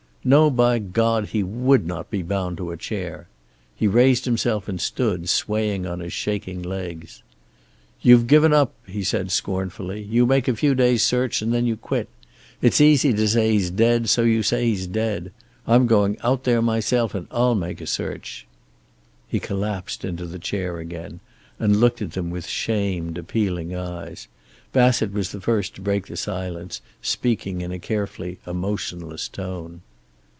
No, by God, he would not be bound to a chair. He raised himself and stood, swaying on his shaking legs. "You've given up," he said scornfully. "You make a few days' search, and then you quit. It's easy to say he's dead, and so you say he's dead. I'm going out there myself, and I'll make a search " He collapsed into the chair again, and looked at them with shamed, appealing eyes. Bassett was the first to break the silence, speaking in a carefully emotionless tone.